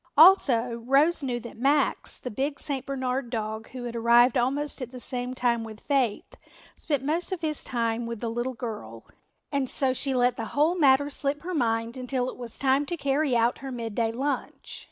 Also Rose knew that Max, the big St. Bernard dog who had arrived almost at the same time with Faith, spent most of his time with the little girl, and so she let the whole matter slip her mind until it was time to carry out her midday lunch.